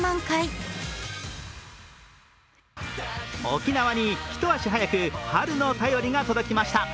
沖縄に一足早く春の便りが届きました。